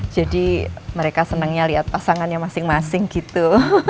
jadi mereka senangnya lihat pasangannya masing masing gitu